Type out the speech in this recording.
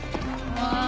ああ。